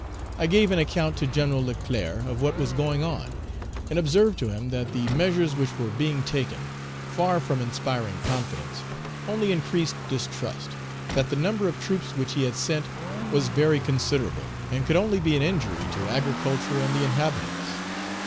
I gave an account to Gen. Leclerc of what was going on, and observed to him that the measures which were being taken, far from inspiring confidence, only increased distrust; that the number of troops which he had sent was very considerable, and could only be an injury to agriculture and the inhabitants.